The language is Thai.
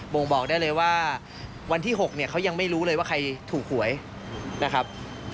่งบอกได้เลยว่าวันที่๖เนี่ยเขายังไม่รู้เลยว่าใครถูกหวยนะครับ